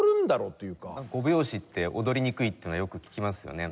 ５拍子って踊りにくいっていうのはよく聞きますよね。